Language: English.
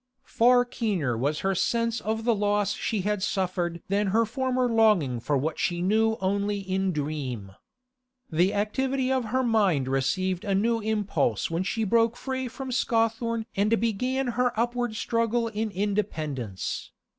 Far keener was her sense of the loss she had suffered than her former longing for what she knew only in dream. The activity of her mind received a new impulse when she broke free from Scawthorne and began her upward struggle in independence.